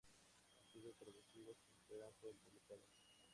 Han sido traducidas y esperan ser publicadas.